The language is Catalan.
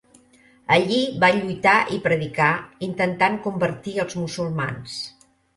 Allí va lluitar i predicar, intentant convertir els musulmans.